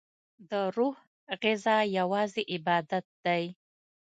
دروح غذا یوازی عبادت دی